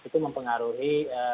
jadi itu mempengaruhi